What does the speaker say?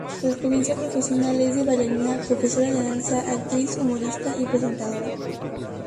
Su experiencia profesional es de bailarina, profesora de danza, actriz, humorista y presentadora.